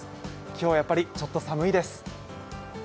今日はやっぱり、ちょっと寒いです